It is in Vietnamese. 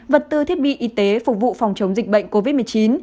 vật tư thiết bị y tế phục vụ phòng chống dịch bệnh covid một mươi chín